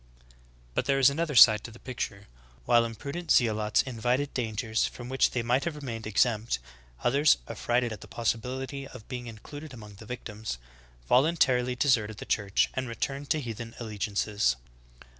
''^ (Vs) But there is another side to the picture. While impru dent zealots invited dangers from which they might have remained exempt, others, affrighted at the possibility of be ing included among the victims, voluntarily deserted th Church and returned to heathen allegiances.